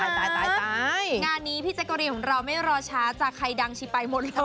งานนี้พิจักรีของเราไม่รอช้าจากใครดังชิบไปหมดเลยนะครับ